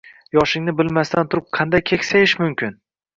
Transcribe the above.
Yoshingni bilmasdan turib, qanday keksayish mumkin?